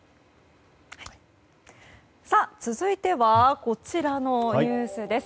さあ、続いてはこちらのニュースです。